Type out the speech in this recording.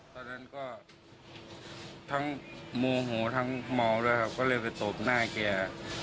ตอนนั้นก็ทั้งโมโหทั้งเมาด้วยครับก็เลยไปตบหน้าแก